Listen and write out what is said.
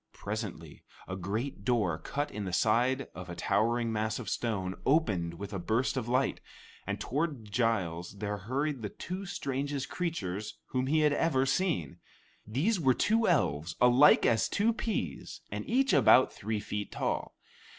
Presently a great door, cut in the side of a towering mass of stone, opened with a burst of light, and toward Giles there hurried the two strangest creatures whom he had ever seen. These were two elves, alike as two peas and each about three feet tall.